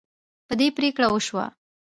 په دې پریکړه وشوه.